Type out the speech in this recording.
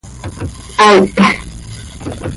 ¡Aih!